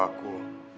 aku mau ke rumah